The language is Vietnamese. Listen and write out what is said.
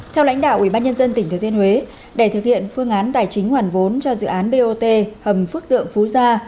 theo lãnh đạo ubnd tỉnh thừa thiên huế để thực hiện phương án tài chính hoàn vốn cho dự án bot hầm phước tượng phú gia